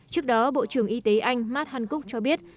trước đó bộ trưởng y tế anh matt hancock cho biết